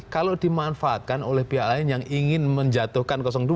kalau dimanfaatkan oleh pihak lain yang ingin menjatuhkan dua